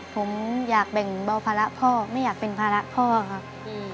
ผมอยากแบ่งเบาภาระพ่อไม่อยากเป็นภาระพ่อครับ